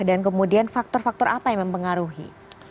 dan kemudian faktor faktor apa yang mempengaruhi